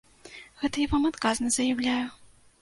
Гэта я вам адказна заяўляю.